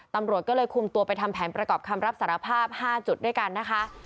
ตำรวจก็เลยคุมตัวไปทำแผนประกอบคำรับสารภาพ๕จุดด้วยกันนะคะ